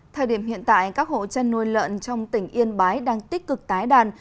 thời điểm hiện tại các hộ chăn nuôi lợn trong tỉnh yên bái đang tích cực tái đàn